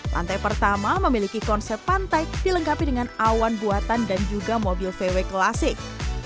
lantai pertama memiliki konsep pantai dilengkapi dengan awan buatan dan juga mobil vw klasik